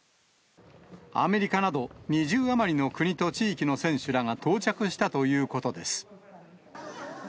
アメリカなど、２０余りの国と地域の選手らが到着したということです。